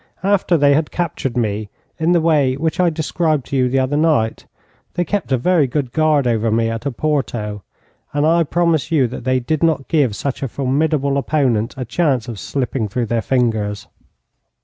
After they had captured me in the way which I described to you the other night, they kept a very good guard over me at Oporto, and I promise you that they did not give such a formidable opponent a chance of slipping through their fingers.